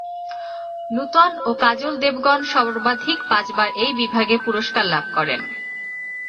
নূতন ও কাজল দেবগন সর্বাধিক পাঁচবার এই বিভাগে পুরস্কার লাভ করেন।